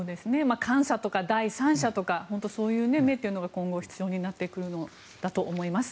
監査とか第三者とかそういう目というのが今後、必要になってくるんだと思います。